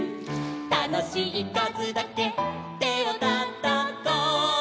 「たのしいかずだけてをたたこ」